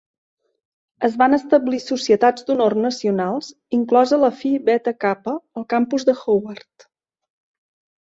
Es van establir societats d'honor nacionals, inclosa la Phi Beta Kappa, al campus de Howard.